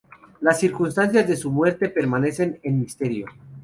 Las circunstancias de su muerte permanecen en misterio.